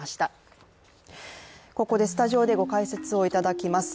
ここでスタジオでご解説をいただきます。